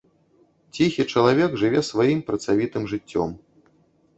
Ціхі чалавек жыве сваім працавітым жыццём.